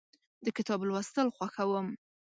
د کتاب لوستل خوښوم.